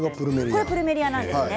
これがプルメリアなんですね。